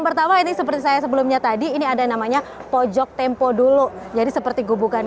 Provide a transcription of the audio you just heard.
pertama ini seperti saya sebelumnya tadi ini ada namanya pojok tempo dulu jadi seperti gubukan